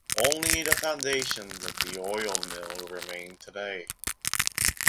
Only the foundations of the Oil Mill remain today.